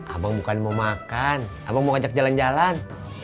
abang bukan mau makan abang mau ajak jalan jalan